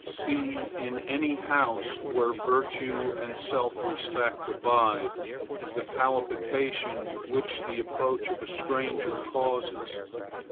See, in any house where virtue and self respect abide, the palpitation which the approach of a stranger causes.